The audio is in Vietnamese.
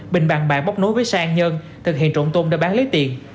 bình bàn bạc bóc nối với xe an nhân thực hiện trộm tôm để bán lấy tiền